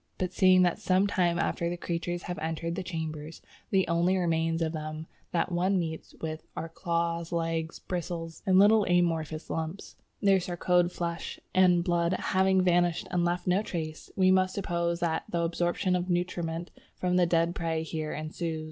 But seeing that some time after the creatures have entered the chambers, the only remains of them that one meets with are claws, legs, bristles, and little amorphous lumps, their sarcode flesh and blood having vanished and left no trace, we must suppose that the absorption of nutriment from the dead prey here ensues...."